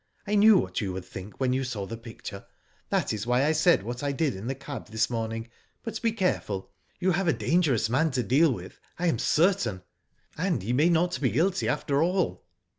" I knew what you would think when you saw the picture, that is why I said what I did in the cab this morning. But be careful. You have a Digitized byGoogk IN THE STUDIO. "225 dangerous man to deal with I am certain, and he may not be guilty after all.